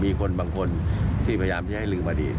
บางคนบางคนที่พยายามจะให้ลืมพอดี